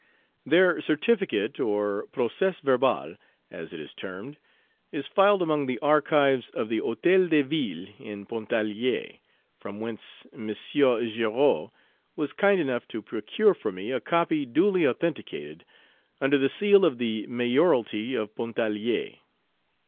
Their certificate, or procès Page 353 verbal, as it is termed, is filed among the archives of the Hotel de Ville in Pontarlier, from whence M. Girod was kind enough to procure for me a copy duly authenticated, under the seal of the Mayoralty of Pontarlier.